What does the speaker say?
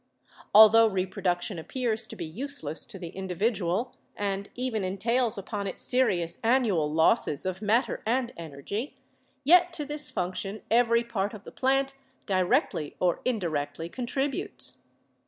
Altho reproduction appears to be useless to the individual and even entails upon it serious annual losses of matter and energy, yet to this function every part of the plant directly or indi rectly contributes.